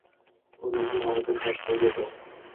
ওদের নরকের স্বাদ পাইয়ে দিও!